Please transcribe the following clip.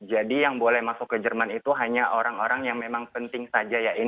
jadi yang boleh masuk ke jerman itu hanya orang orang yang memang penting saja